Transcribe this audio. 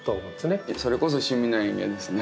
それこそ趣味の園芸ですね。